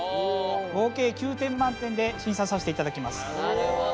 合計９点満点で審査させていただきます。